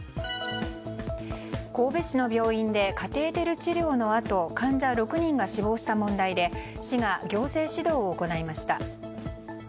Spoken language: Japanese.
神戸市の病院でカテーテル治療のあと患者６人が死亡した問題で市が行政指導を行いました。